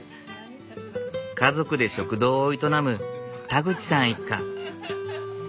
家族で食堂を営む田口さん一家。